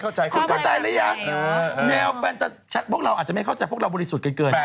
เข้าใจแล้วหรือยังแนวแฟนเตอร์พวกเราอาจจะไม่เข้าใจพวกเราบริสุทธิ์เกิน